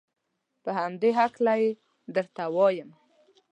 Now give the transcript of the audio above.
په همدې هلکه یې درته وایم.